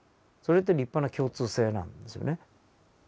それって立派な共通性なんですよね。